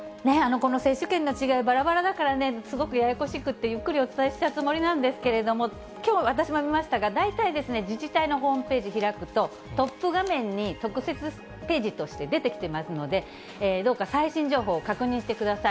この接種券の違い、ばらばらだからね、すごくややこしくって、ゆっくりお伝えしたつもりなんですけれども、きょう、私も見ましたが、大体ですね、自治体のホームページ開くと、トップ画面に特設ページとして出てきていますので、どうか最新情報を確認してください。